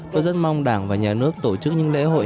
tôi rất mong đảng và nhà nước tổ chức những lễ hội